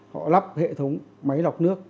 họ lắp hệ thống máy lọc nước